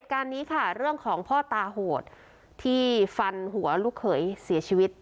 การนี้ค่ะเรื่องของพ่อตาโหดที่ฟันหัวลูกเขยเสียชีวิต